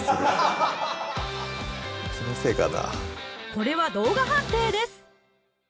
これは動画判定です！